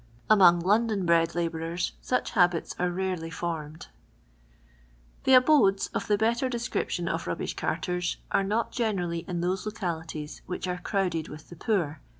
Among London bred labourers such habits are ranily formed. The abodes of the letter descnptioii qf rvhlnslv carters are not generally in those localities which are crowded with the poor.